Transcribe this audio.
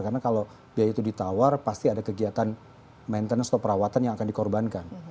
karena kalau biaya itu ditawar pasti ada kegiatan maintenance atau perawatan yang akan dikorbankan